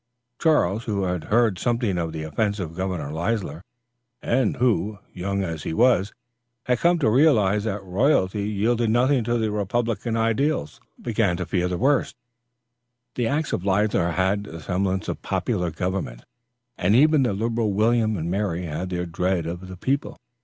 Charles, who had heard something of the offence of Governor Leisler, and who, young as he was, had come to realize that royalty yielded nothing to the republican ideas, began to fear the worst. The acts of Leisler had the semblance of popular government, and even the liberal William and Mary had their dread of the people.